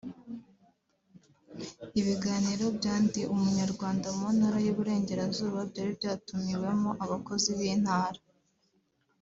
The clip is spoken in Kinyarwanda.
Ibiganiro bya « Ndi Umunyarwanda » mu Ntara y’Iburengerazuba byari byatumiwemo abakozi b’Intara